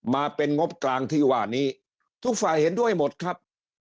มาเป็นงบกลางที่ว่านี้ทุกฝ่ายเห็นด้วยหมดครับ